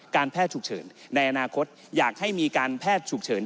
แพทย์ฉุกเฉินในอนาคตอยากให้มีการแพทย์ฉุกเฉิน